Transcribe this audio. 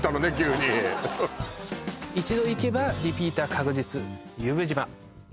「１度行けばリピーター確実由布島」